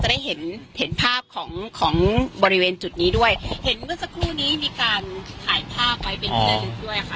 ได้เห็นเห็นภาพของของบริเวณจุดนี้ด้วยเห็นเมื่อสักครู่นี้มีการถ่ายภาพไว้เป็นที่ระลึกด้วยค่ะ